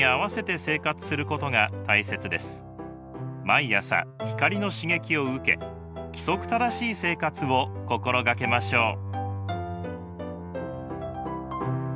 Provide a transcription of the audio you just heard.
毎朝光の刺激を受け規則正しい生活を心がけましょう。